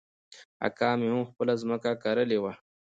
اکا مې هم خپله ځمکه کرلې وه.